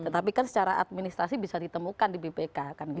tapi kan secara administrasi bisa ditemukan di bpk